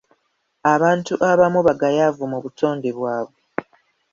Abantu abamu bagayaavu mu butonde bwabwe.